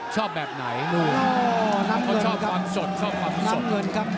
ชอบแบบไหนน้ำเงินครับเค้าชอบความสด